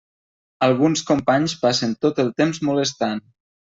Alguns companys passen tot el temps molestant.